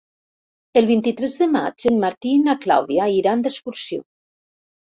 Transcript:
El vint-i-tres de maig en Martí i na Clàudia iran d'excursió.